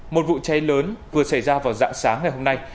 một vụ cháy lớn vừa xảy ra vào dạng sáng ngày hôm nay